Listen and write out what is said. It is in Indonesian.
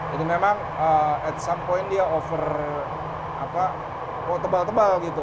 jadi memang at some point dia over tebal tebal gitu